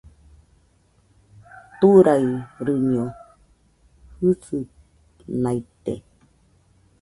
Turaɨriño jɨsɨnaite